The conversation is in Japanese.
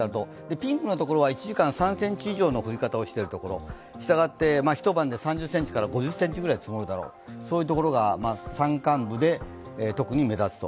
ピンクのところは１時間３ｃｍ以上の降り方をしているところ一晩で３０ｃｍから５０ｃｍ積もるだろうとそういうところが山間部で特に目立つと。